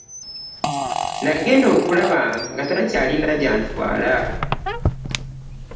Nagenda okulaba nga takyalina gyantwala .